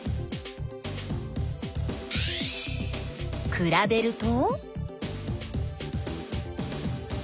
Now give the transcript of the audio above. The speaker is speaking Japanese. くらべると？